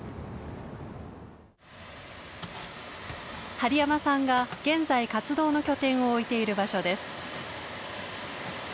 針山さんが現在活動の拠点を置いている場所です。